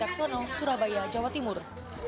caksono surabaya jawa timur